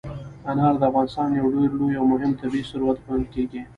انار د افغانستان یو ډېر لوی او مهم طبعي ثروت ګڼل کېږي.